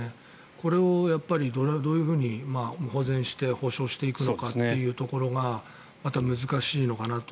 これをどういうふうに保全して補償していくのかというところがまた難しいのかなと。